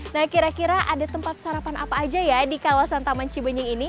nah kira kira ada tempat sarapan apa aja ya di kawasan taman cibenying ini